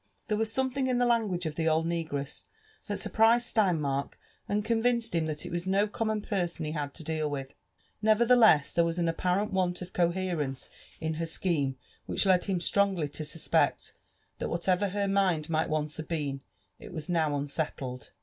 '* Tiiere was something in the language of the old negress that surprised Steinmark, and convinced him that it was no common person he had lo deal with. Nevertheless, there was an apparent virant of coherence in her scheme which led him strongly to suspect, that whatever hik* mind might once have been, ft was now unsettled.